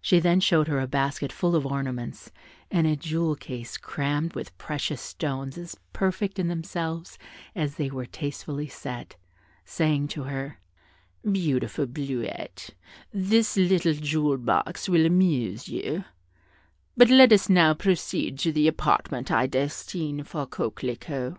She then showed her a basket full of ornaments and a jewel case crammed with precious stones as perfect in themselves as they were tastefully set, saying to her, "Beautiful Bleuette, this little jewel box will amuse you, but let us now proceed to the apartment I destine for Coquelicot."